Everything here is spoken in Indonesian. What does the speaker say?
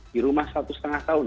di rumah satu setengah tahun